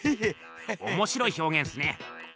おもしろい表現っすね。